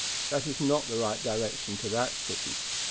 That is not the right direction to that city.